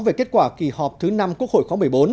về kết quả kỳ họp thứ năm quốc hội khóa một mươi bốn